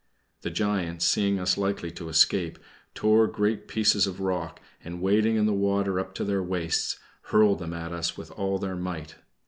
The giants seeing us likely to escape, tore great pieces of rock, and wading in the water up to their waists, hurled them at us with all their might.